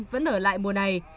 vẫn ở lại mùa này